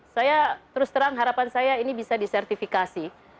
saya terus terang harapan saya ini bisa disertifikasi